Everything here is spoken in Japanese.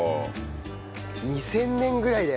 ２０００年ぐらいだよね